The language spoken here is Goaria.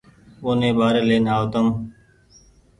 اوني ٻآري لين آئو تم